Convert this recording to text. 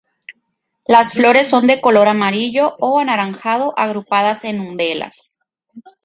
Las flores son de color amarillo o anaranjado agrupadas en umbelas.